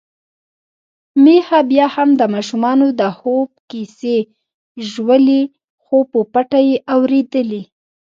میښه بيا هم د ماشومانو د خوب کیسې ژولي، خو په پټه يې اوريدلې.